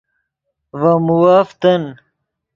ڤے مووف تن